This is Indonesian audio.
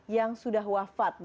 yang sudah wafat